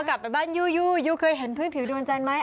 กลับไปบ้านยู่ยูยู่เคยเห็นพื้นผิวดวงจันทร์ไหม